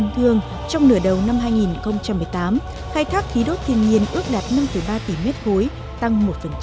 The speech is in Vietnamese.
trong nửa đầu năm hai nghìn một mươi tám khai thác khí đốt thiên nhiên ước đạt năm ba tỷ m ba tăng một